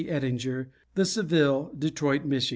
Ettinger, The Seville, Detroit, Mich.